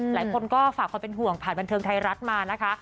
หลายคนก็ฝากความเป็นห่วงผ่านบันเทิงไทยรัฐมานะคะ